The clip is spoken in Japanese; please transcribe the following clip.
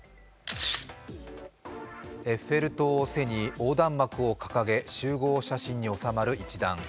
エッフェル塔を背に横断幕を掲げ集合写真に収まる集団。